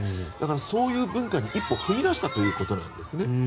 そういう文化に一歩踏み出したということなんですね。